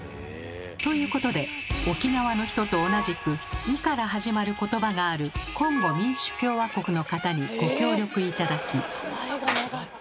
ということで沖縄の人と同じく「ん」から始まることばがあるコンゴ民主共和国の方にご協力頂き。